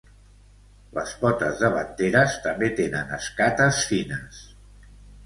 Les potes davanteres també tenen escates fines.